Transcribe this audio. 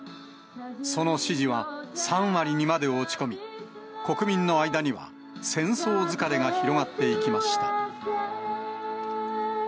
その支持は３割にまで落ち込み、国民の間には戦争疲れが広がっていきました。